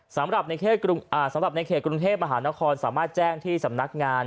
สำหรับในเขตกรุงเทพมหานครสามารถแจ้งที่สำนักงาน